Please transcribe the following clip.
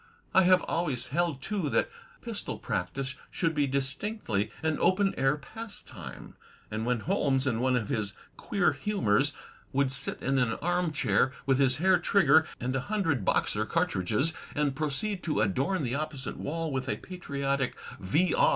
I have always held, too, that pistol practice should be distinctly an open air pastime; and when Holmes, in one of his queer hiunors would sit in an arm chair with his hair trigger and a hundred Boxer cartridges, and proceed to adorn the opposite wall with a patriotic V.